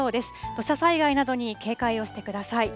土砂災害などに警戒をしてください。